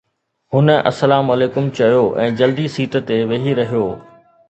هن السلام عليڪم چيو ۽ جلدي سيٽ تي ويهي رهيو.